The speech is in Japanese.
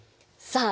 さあ